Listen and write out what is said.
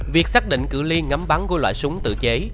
việc xác định cửa ly ngắm bắn của loại súng tự chế